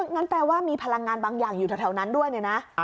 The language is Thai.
งั้นแปลว่ามีพลังงานบางอย่างอยู่แถวนั้นด้วยเนี่ยนะ